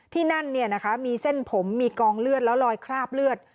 ที่นั่นมีเส้นผมมีกองเลือดแล้วลอยคราบเลือด